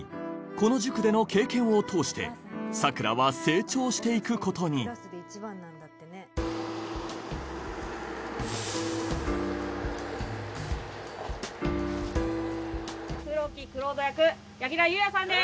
この塾での経験を通して佐倉は成長して行くことに黒木蔵人役柳楽優弥さんです！